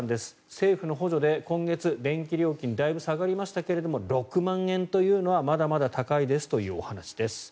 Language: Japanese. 政府の補助で今月、電気料金だいぶ下がりましたけども６万円というのはまだまだ高いですというお話です。